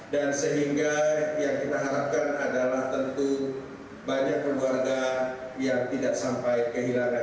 dan sehingga yang kita harapkan adalah tentu banyak keluarga yang tidak sampai kehilangan